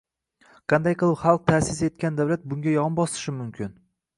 qanday qilib xalq ta’sis etgan davlat bunga yon bosishi mumkin?